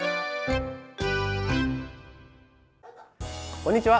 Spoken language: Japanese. こんにちは。